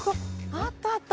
あったあった！